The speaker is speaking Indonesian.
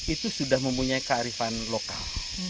itu sudah mempunyai kearifan lokal